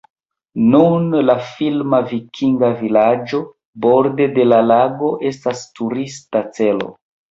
Nun la filma vikinga vilaĝo borde de la lago estas turista celo.